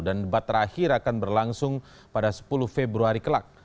dan debat terakhir akan berlangsung pada sepuluh februari kelak